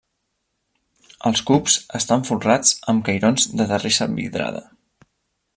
Els cubs estan folrats amb cairons de terrissa vidrada.